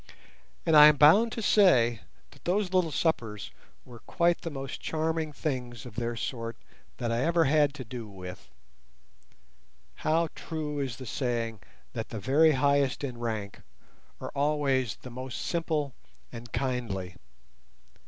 And I am bound to say that those little suppers were quite the most charming things of their sort that I ever had to do with. How true is the saying that the very highest in rank are always the most simple and kindly.